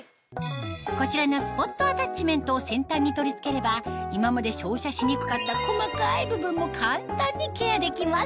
こちらのスポットアタッチメントを先端に取り付ければ今まで照射しにくかった細かい部分も簡単にケアできます